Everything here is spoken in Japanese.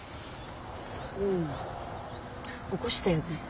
うん起こしたよね。